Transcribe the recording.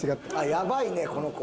やばいねこの子。